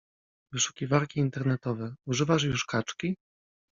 Wyszukiwarki internetowe: używasz już kaczki?